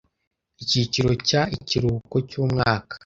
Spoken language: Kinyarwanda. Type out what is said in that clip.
Icyiciro cya Ikiruhuko cy umwaka